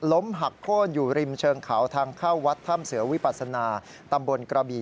หักโค้นอยู่ริมเชิงเขาทางเข้าวัดถ้ำเสือวิปัสนาตำบลกระบี่